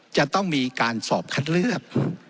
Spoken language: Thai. จะต้องมีการสอบคัดเลือก